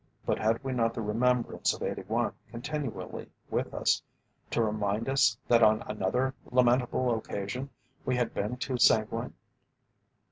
But had we not the remembrance of '81 continually with us to remind us that on another lamentable occasion we had been too sanguine?